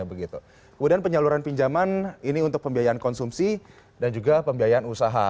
kemudian penyaluran pinjaman ini untuk pembiayaan konsumsi dan juga pembiayaan usaha